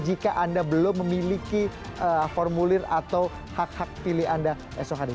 jika anda belum memiliki formulir atau hak hak pilih anda esok hari